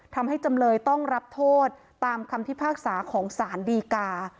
จำเลยต้องรับโทษตามคำพิพากษาของสารดีกา